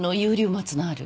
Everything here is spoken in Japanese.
松のある。